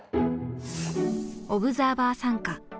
オブザーバー参加。